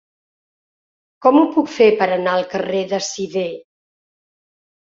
Com ho puc fer per anar al carrer de Sidé?